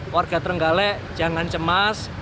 warga terenggalik jangan cemas